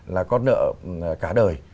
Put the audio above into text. là con nợ cả đời